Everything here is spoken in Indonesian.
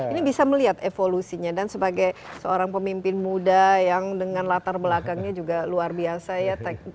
ini bisa melihat evolusinya dan sebagai seorang pemimpin muda yang dengan latar belakangnya juga luar biasa ya